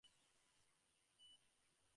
নতুনদের এড়ানোর সুযোগ নেই।